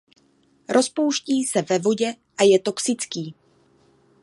Rozpouští se ve vodě a je toxický.